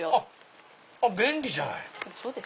便利じゃない。